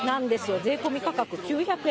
税込み価格９００円。